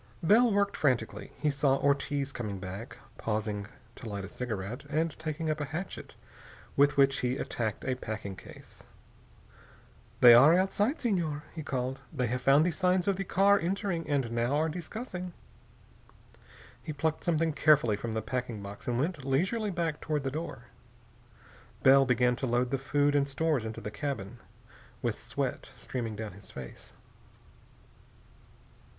Bell worked frantically. He saw Ortiz coming back, pausing to light a cigarette, and taking up a hatchet, with which he attacked a packing case. "They are outside, Senor," he called. "They have found the signs of the car entering, and now are discussing." He plucked something carefully from the packing box and went leisurely back toward the door. Bell began to load the food and stores into the cabin, with sweat streaming down his face.